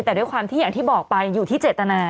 แต่ด้วยความที่อย่างที่บอกไปอยู่ที่เจตนา